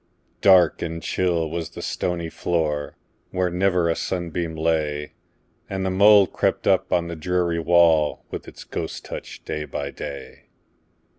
Dark and chill was the stony floor, Where never a sunbeam lay, And the mould crept up on the dreary wall, With its ghost touch, day by day.